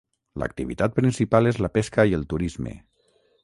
L'activitat principal és la pesca i el turisme.